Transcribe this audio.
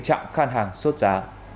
trạng khan hàng xuất giá